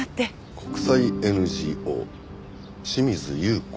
「国際ＮＧＯ清水ゆうこ」。